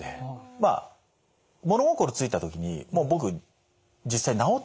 まあ物心付いた時にもう僕実際治ってて。